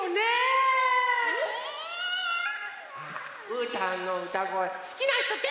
うーたんのうたごえすきなひとてあげて！